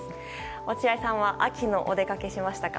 落合さんは秋のお出かけはしましたか？